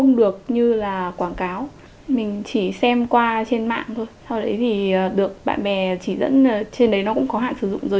như lời quảng cáo